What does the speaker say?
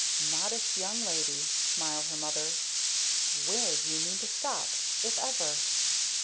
"Modest young lady," smiled her mother. "Where do you mean to stop if ever?"